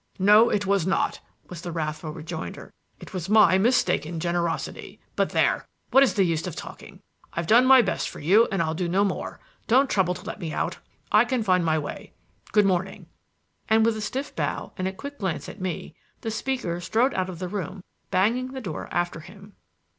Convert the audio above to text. "No, it was not," was the wrathful rejoinder; "it was my mistaken generosity. But there what is the use of talking? I've done my best for you and I'll do no more. Don't trouble to let me out; I can find my way. Good morning." With a stiff bow and a quick glance at me, the speaker strode out of the room, banging the door after him.